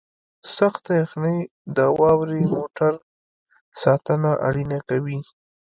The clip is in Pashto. سخته یخنۍ د واورې موټر ساتنه اړینه کوي